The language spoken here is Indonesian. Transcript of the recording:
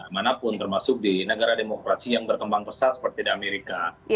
manapun termasuk di negara demokrasi yang berkembang pesat seperti di amerika